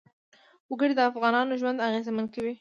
وګړي د افغانانو ژوند اغېزمن کوي.